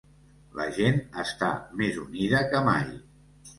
La gent està més unida que mai.